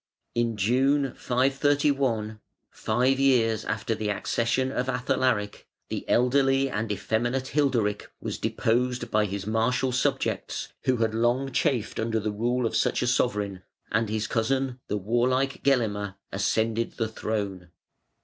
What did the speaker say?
In June, 531, five years after the accession of Athalaric, the elderly and effeminate Hilderic was deposed by his martial subjects who had long chafed under the rule of such a sovereign, and his cousin, the warlike Gelimer, ascended the throne.